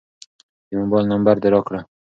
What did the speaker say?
د موبایل نمبر دې راکړه.